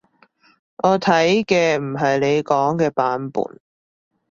我睇嘅唔係你講嘅版本